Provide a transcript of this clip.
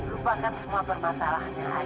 lupakan semua permasalahan yang ada